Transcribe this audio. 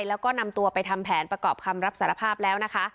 แล้วก็นำตัวไปทำแผนประกอบคำรับสารภาพแล้วนะคะ